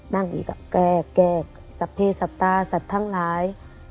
นั่งอยู่กับแกรกแกรกสับเพศสับตาสัตว์ทั้งหลาย